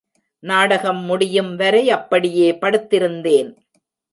நாடகம் முடியும் வரை அப்படியே படுத்திருந்தேன்.